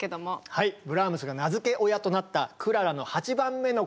はいブラームスが名づけ親となったクララの８番目のこども